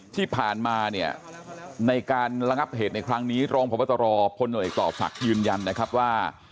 ที่ผ่านมาในการระงับเหตุในครั้งนี้รองพบตรพลตอบฝักยืนยันนะครับว่า